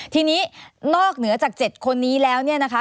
ทีนี้นอกเหนือจาก๗คนนี้แล้วเนี่ยนะคะ